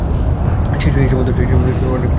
সেই সময় তো অনেক কিছু চেয়েছি।